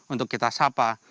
untuk kita sapa